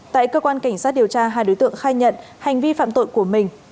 tại cơ quan cảnh sát điều tra hai đối tượng khai nhận hành vi phạm tội của mình